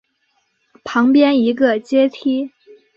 旁边一个阶梯